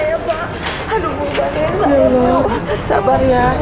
aduh bu pak ya sabar ya